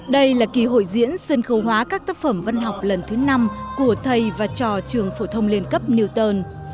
đây là kỳ hội diễn sân khấu hóa các tác phẩm văn học lần thứ năm của thầy và trò trường phổ thông liên cấp newton